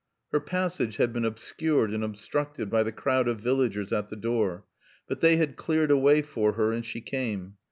Her passage had been obscured and obstructed by the crowd of villagers at the door. But they had cleared a way for her and she came.